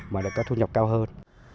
mà để có thu nhập cao hơn